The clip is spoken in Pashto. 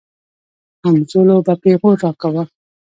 همزولو به پيغور راکاوه.